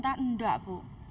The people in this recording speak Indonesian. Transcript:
tak enggak bu